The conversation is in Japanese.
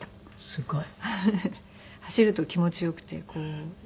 すごい。